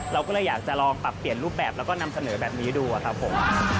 เราก็เลยอยากจะลองปรับเปลี่ยนรูปแบบแล้วก็นำเสนอแบบนี้ดูครับผม